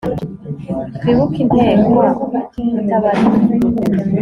twibuke inteko itabarika